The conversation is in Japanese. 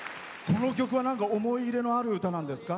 この曲は、なんか思い入れのある歌なんですか？